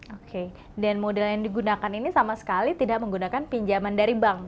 oke dan model yang digunakan ini sama sekali tidak menggunakan pinjaman dari bank